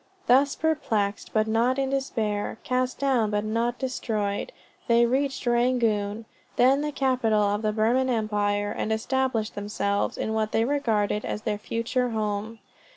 Thus "perplexed but not in despair, cast down but not destroyed," they reached Rangoon, then the capital of the Burman Empire, and established themselves in what they regarded as their future home.